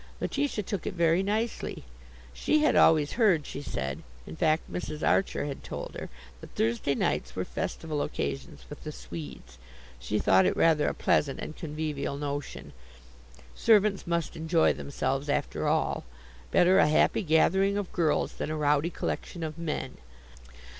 Letitia took it very nicely. She had always heard, she said, in fact Mrs. Archer had told her, that Thursday nights were festival occasions with the Swedes. She thought it rather a pleasant and convivial notion. Servants must enjoy themselves, after all. Better a happy gathering of girls than a rowdy collection of men.